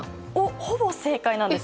ほぼ正解なんです。